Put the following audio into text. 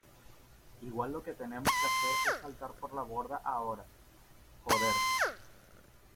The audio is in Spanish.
igual lo que tenemos que hacer es saltar por la borda ahora, joder.